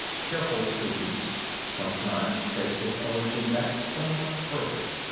Careful students sometimes trace its origin back somewhat further.